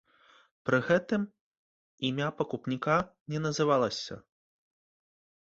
Пры гэтым імя пакупніка не называлася.